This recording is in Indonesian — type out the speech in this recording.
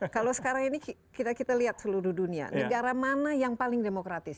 kalau sekarang ini kita lihat seluruh dunia negara mana yang paling demokratis